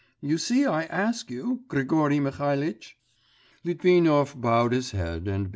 You see I ask you, Grigory Mihalitch.' Litvinov bowed his head and began